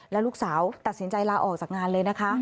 แล้วลูกสาวตัดสินใจลาออกจากงานเลยนะคะ